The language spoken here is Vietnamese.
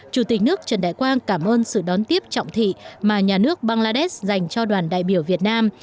chủ tịch nước trần đại quang cảm ơn sự đón tiếp trọng thị mà nhà nước bangladesh dành cho đoàn đại biểu việt nam